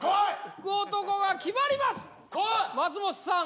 福男が決まります松本さん